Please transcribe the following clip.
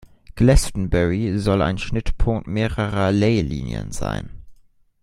Glastonbury soll ein Schnittpunkt mehrerer Ley-Linien sein.